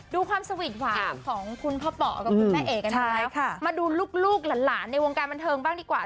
ดูความสวีทหวานของคุณพ่อป่อกับคุณแม่เอกกันหน่อยมาดูลูกหลานในวงการบันเทิงบ้างดีกว่า